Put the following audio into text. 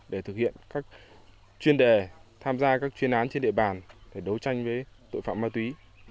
để thực hiện các chuyên đề tham gia các chuyên án trên địa bàn để đấu tranh với tội phạm ma túy